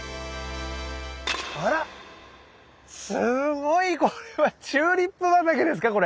あらすごいこれはチューリップ畑ですかこれ。